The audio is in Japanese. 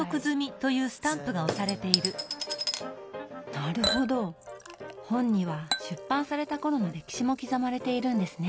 なるほど本には出版された頃の歴史も刻まれているんですね。